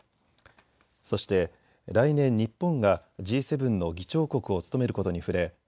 そして来年、日本がＧ７の議長国を務めることに触れ